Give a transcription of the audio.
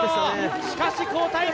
しかし好タイム。